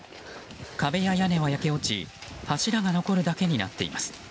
壁や屋根は焼け落ち柱が残るだけになっています。